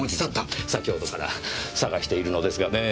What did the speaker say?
先ほどから探しているのですがねぇ。